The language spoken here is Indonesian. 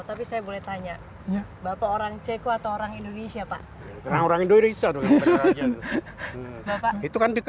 tapi saya boleh tanya bapak orang ceko atau orang indonesia